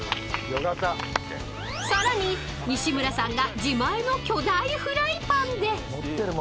［さらに西村さんが自前の巨大フライパンで］